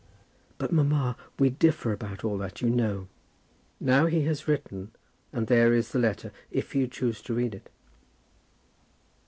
"But, mamma, we differ about all that, you know." "Now he has written, and there is the letter, if you choose to read it."